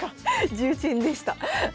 重鎮でした。